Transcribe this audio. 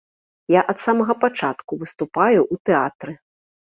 Я ад самага пачатку выступаю ў тэатры.